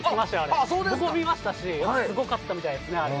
僕も見ましたしすごかったみたいですね。